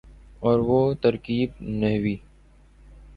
اور وہ ترکیب نحوی